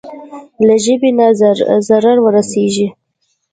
له ژبې نه ضرر ورسېږي.